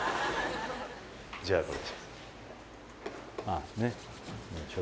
じゃあ